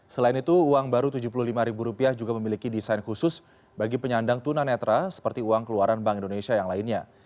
selain itu uang baru rp tujuh puluh lima juga memiliki desain khusus bagi penyandang tuna netra seperti uang keluaran bank indonesia yang lainnya